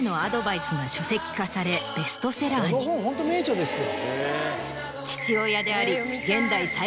この本ホント名著ですよ。